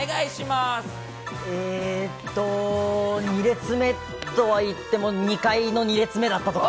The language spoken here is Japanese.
えーっと、２列目とはいっても２階の２列目だったとか。